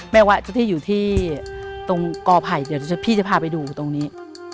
ว่าจะที่อยู่ที่ตรงกอไผ่เดี๋ยวพี่จะพาไปดูตรงนี้